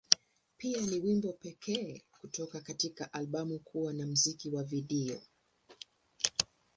Pia, ni wimbo pekee kutoka katika albamu kuwa na muziki wa video.